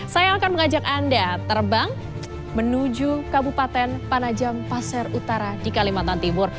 saya akan mengajak anda terbang menuju kabupaten panajam pasir utara di kalimantan timur